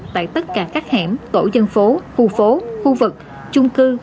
tại tất cả các hẻm tổ dân phố khu phố khu vực chung cư